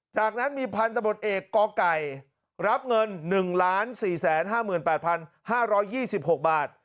จากนั้นมีพันธุ์ตำรวจเอกก๊อกไก่รับเงิน๑๔๕๘๕๒๖บาท